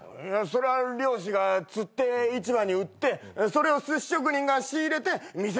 そりゃあ漁師が釣って市場に売ってそれをすし職人が仕入れて店で出すんだろ？